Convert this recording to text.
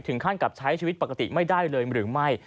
ขั้นกับใช้ชีวิตปกติไม่ได้เลยหรือไม่